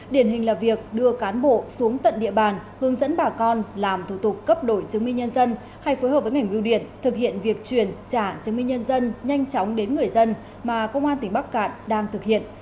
điển hình là việc đưa cán bộ xuống tận địa bàn hướng dẫn bà con làm thủ tục cấp đổi chứng minh nhân dân hay phối hợp với ngành biêu điện thực hiện việc truyền trả chứng minh nhân dân nhanh chóng đến người dân mà công an tỉnh bắc cạn đang thực hiện